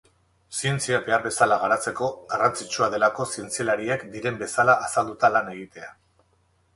Zientzia behar bezala garatzeko, garrantzitsua delako zientzialariek diren bezala azalduta lan egitea.